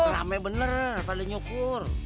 rame bener paling nyukur